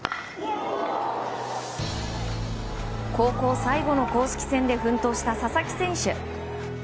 高校最後の公式戦で奮闘した佐々木選手。